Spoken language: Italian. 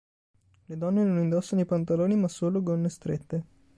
Le donne non indossano i pantaloni ma solo gonne strette.